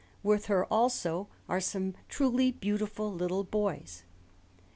With her, also, are some truly beautiful little boys.